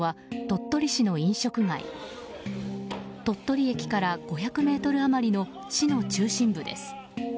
鳥取駅から５００ｍ余りの市の中心部です。